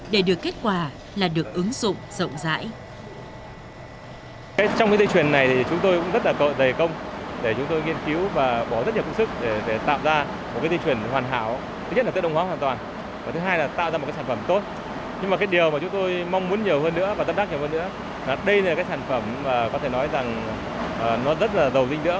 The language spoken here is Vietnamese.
để được kết quả là được ứng dụng rộng rãi